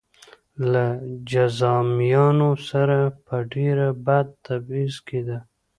له جذامیانو سره به ډېر بد تبعیض کېده.